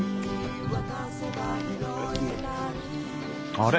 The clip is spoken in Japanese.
あれ？